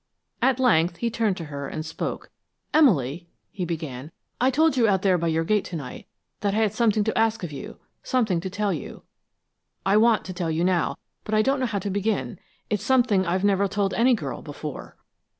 At length he turned to her and spoke. "Emily," he began, "I told you out there by your gate to night that I had something to ask of you, something to tell you. I want to tell you now, but I don't know how to begin. It's something I've never told any girl before."